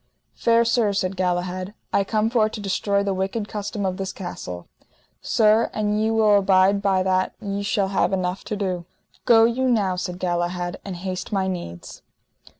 Fair sir, said Galahad, I come for to destroy the wicked custom of this castle. Sir, an ye will abide by that ye shall have enough to do. Go you now, said Galahad, and haste my needs.